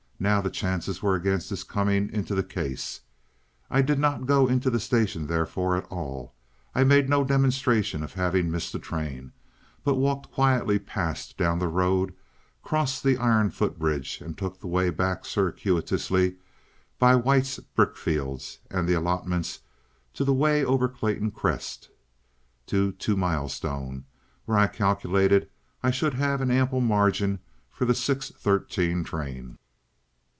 Now the chances were against his coming into the case. I did not go into the station therefore at all, I made no demonstration of having missed the train, but walked quietly past, down the road, crossed the iron footbridge, and took the way back circuitously by White's brickfields and the allotments to the way over Clayton Crest to Two Mile Stone, where I calculated I should have an ample margin for the 6.13 train.